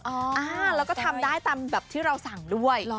อ่าแล้วก็ทำได้ตามแบบที่เราสั่งด้วย